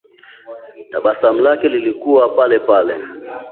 Tabasamu lake lilikuwa palepale